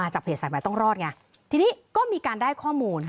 จับเหตุสามารถต้องรอดไงทีนี้ก็มีการได้ข้อมูล